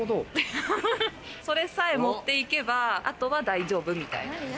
それさえ持っていけば、あとは大丈夫、みたいな。